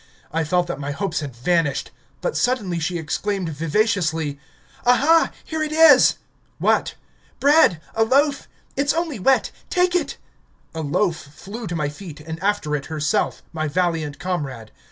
I felt that my hopes had vanished... But suddenly she exclaimed vivaciously: "Aha! here it is!" "What?" "Bread ... a loaf ... it's only wet ... take it!" A loaf flew to my feet and after it herself, my valiant comrade.